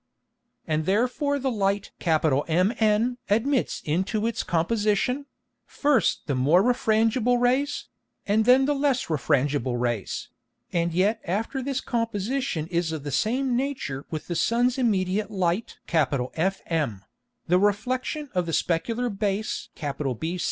And therefore the Light MN admits into its Composition, first the more refrangible Rays, and then the less refrangible Rays, and yet after this Composition is of the same Nature with the Sun's immediate Light FM, the Reflexion of the specular Base BC causing no Alteration therein.